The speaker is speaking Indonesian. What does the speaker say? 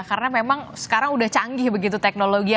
karena memang sekarang sudah canggih begitu teknologi